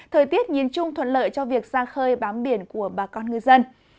thời tiết nhìn chung thuận lợi cho việc ra khơi bám biển của bà con ngư dân